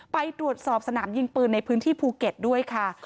ไปตรวจสอบสนามยิงปืนในพื้นที่ภูเก็ตด้วยค่ะ